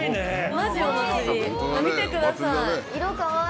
見てください。